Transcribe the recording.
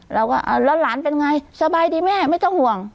เราก็เอาแล้วหลานเป็นไงสบายดีแม่ไม่ต้องห่วง